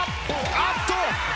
あっと！